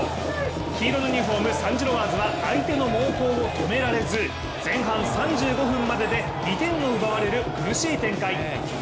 黄色のユニフォームサン＝ジロワーズは相手の猛攻を止められず前半３５分までで２点を奪われる苦しい展開。